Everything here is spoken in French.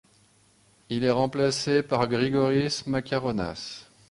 Il est remplacé par Grigoris Makaronas.